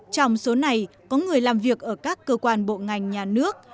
trong số này có người làm việc ở các cơ quan bộ ngành nhà nước